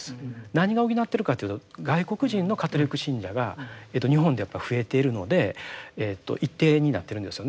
何が補っているかというと外国人のカトリック信者が日本でやっぱり増えているので一定になっているんですよね。